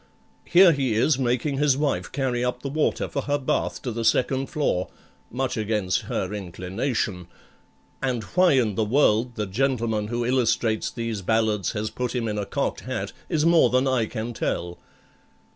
Here he is making his wife carry up the water for her bath to the second floor, much against her inclination,— And why in the world the gentleman who illustrates these ballads has put him in a cocked hat is more than I can tell.